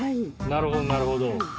なるほどなるほど。